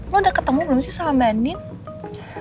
lo udah ketemu belum sih sama mbak nin